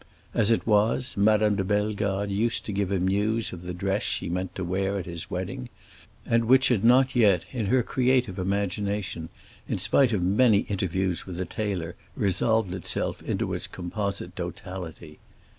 As it was, Madame de Bellegarde used to give him news of the dress she meant to wear at his wedding, and which had not yet, in her creative imagination, in spite of many interviews with the tailor, resolved itself into its composite totality.